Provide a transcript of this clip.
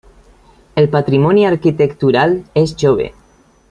El patrimoni arquitectural és jove.